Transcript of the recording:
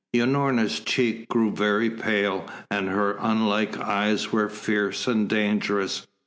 Unorna's cheek grew very pale, and her unlike eyes were fierce and dangerous.